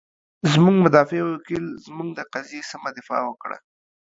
زمونږ مدافع وکیل، زمونږ د قضیې سمه دفاع وکړه.